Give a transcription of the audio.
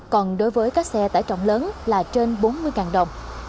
còn đối với các xe tải trọng lớn là trên bốn mươi đồng